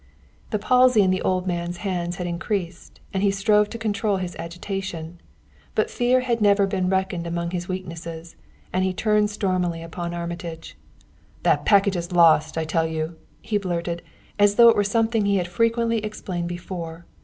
The palsy in the old man's hands had increased, and he strove to control his agitation; but fear had never been reckoned among his weaknesses, and he turned stormily upon Armitage. "That packet is lost, I tell you!" he blurted, as though it were something that he had frequently explained before.